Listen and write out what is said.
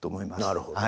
なるほど。